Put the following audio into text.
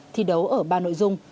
thi đấu ở ba nội dung